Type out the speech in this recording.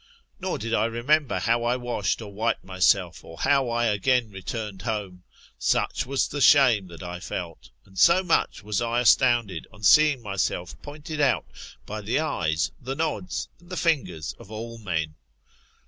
Nor did I remember how I washed, or wiped myself, or how I again returned home ; such was the ^shame that I felt, and so much was I astounded on seeing myself pointed out by the eyes, the nods, and tliC fingers of all men.